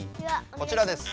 こちらです。